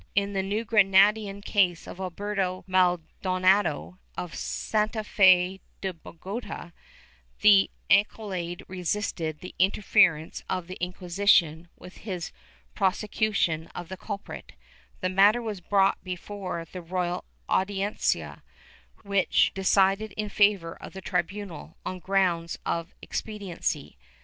In the New Granadan case of Alberto Maldonado, of Santafe de Bogota, the alcalde resisted the interference of the Inquisition with his prose cution of the culprit; the matter was brought before the royal Audiencia, which decided in favor of the tribunal, on grounds of expediency.